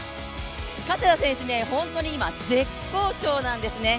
加世田選手は今、絶好調なんですね。